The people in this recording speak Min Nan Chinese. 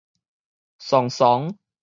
倯倯